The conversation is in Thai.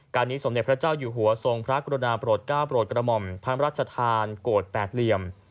การนี้สมในพระเจ้าอยู่หัวทรงพระกุฎนาปรด๙ปรดกระหม่อมพระราชทานโกต๘เหลี่ยม